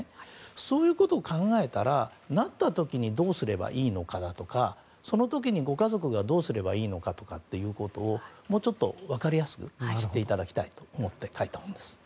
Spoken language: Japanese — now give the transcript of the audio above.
そういうことを考えたらなった時にどうすればいいのかだとかその時にご家族がどうすればいいのかということをもうちょっと分かりやすく知っていただきたいと思って書いた本です。